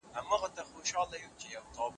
ماشومان په انګړ کې په خوښۍ لوبې کوي.